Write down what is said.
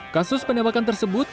kasus penembakan tersebut